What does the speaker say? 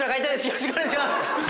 よろしくお願いします！